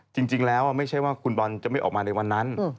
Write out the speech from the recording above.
จริงแล้วไม่ใช่ว่าคุณบอลจะไม่ออกมาในวันนั้น